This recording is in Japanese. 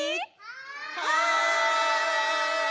はい！